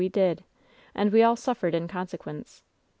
We did 1 And we all suffered in consequence."